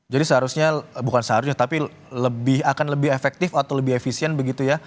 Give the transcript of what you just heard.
jadi seharusnya bukan seharusnya tapi akan lebih efektif atau lebih efisien begitu ya